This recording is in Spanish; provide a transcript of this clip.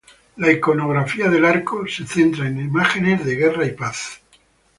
La iconografía del arco se centra en imágenes de guerra y paz.